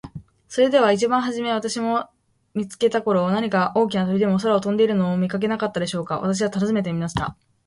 「それでは一番はじめ私を見つけた頃、何か大きな鳥でも空を飛んでいるのを見かけなかったでしょうか。」と私は尋ねてみました。